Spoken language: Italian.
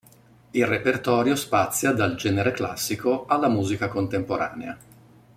Il repertorio spazia dal genere classico alla musica contemporanea.